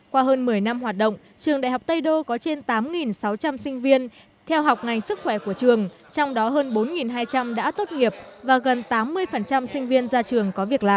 qua hơn một mươi năm hoạt động trường đại học tây đô có trên tám sáu trăm linh sinh viên theo học ngành sức khỏe của trường trong đó hơn bốn hai trăm linh đã tốt nghiệp và gần tám mươi sinh viên ra trường có việc làm